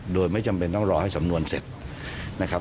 โดยไม่จำเป็นต้องรอให้สำนวนเสร็จนะครับ